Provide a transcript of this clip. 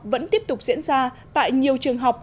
vẫn tiếp tục diễn ra tại nhiều trường học